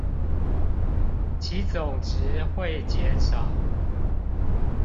其總值會減少